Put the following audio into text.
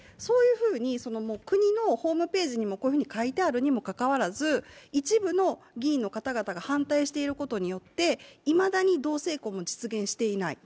国のホームページにもこういうふうに書いてあるにもかかわらず一部の議員の方々が反対していることによって、いまだに同姓婚も実現していない。